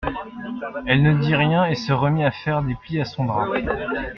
Elle ne dit rien et se remit à faire des plis à son drap.